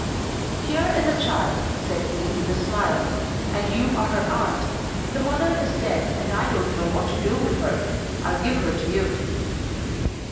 "Here is a child," said he with a smile, "and you are her aunt. The mother is dead and I don't know what to do with her. I'll give her to you."